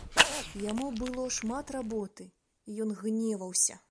Яму было шмат работы, і ён гневаўся.